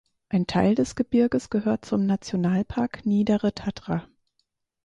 Ein Teil des Gebirges gehört zum Nationalpark Niedere Tatra.